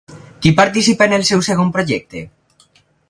Qui participa en el seu segon projecte?